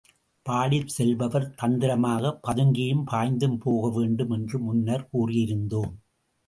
பாடிச் செல்பவர் தந்திரமாக, பதுங்கியும் பாய்ந்து போக வேண்டும் என்று முன்னர் கூறியிருந்தோம்.